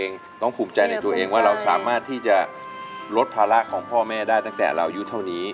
เองต้องภูมิใจในตัวเองว่าเราสามารถที่จะลดภาระของพ่อแม่ได้ตั้งแต่เราอายุเท่านี้